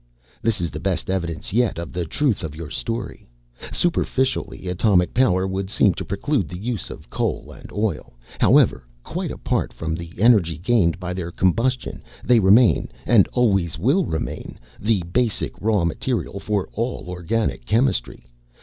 This is the best evidence yet of the truth of your story. Superficially, atomic power would seem to preclude the use of coal and oil. However, quite apart from the energy gained by their combustion they remain, and always will remain, the basic raw material for all organic chemistry.